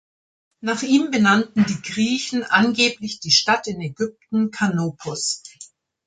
Nach ihm benannten die Griechen angeblich die Stadt in Ägypten Kanopus.